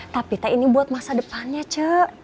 tapi teh ini buat masa depannya cek